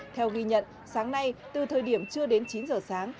theo ghi nhận sáng nay từ thời điểm chưa đến chín giờ sáng